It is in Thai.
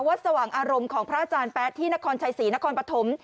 สว่างอารมณ์ของพระอาจารย์แป๊ะที่นครชัยศรีนครปฐม